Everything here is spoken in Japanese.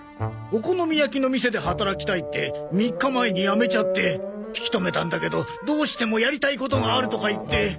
お好み焼きの店で働きたいって３日前に辞めちゃって引き止めたんだけどどうしてもやりたいことがあるとか言って。